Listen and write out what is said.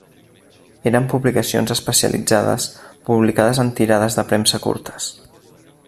Eren publicacions especialitzades publicades en tirades de premsa curtes.